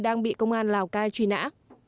đang bị công an lào cai truy nã